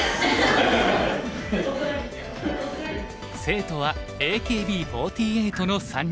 生徒はＡＫＢ４８の３人。